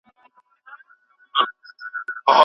هغه پوهان د سياست په اړه نوي حقايق بيانوي.